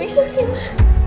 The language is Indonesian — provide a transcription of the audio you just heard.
gak bisa sih ma